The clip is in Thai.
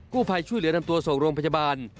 ผู้ภัยช่วยเหลือนำตัวส่งโรงพยาบาล